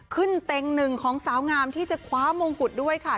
เต็งหนึ่งของสาวงามที่จะคว้ามงกุฎด้วยค่ะ